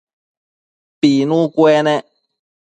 Pinu cuenec